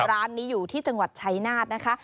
ร้านนี้อยู่ที่จังหวัดชัยนาธนะคะ